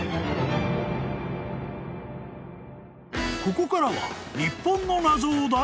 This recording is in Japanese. ［ここからは］